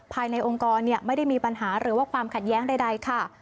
ภายในองค์กรไม่ได้มีปัญหาหรือว่าความขัดแย้งใดค่ะ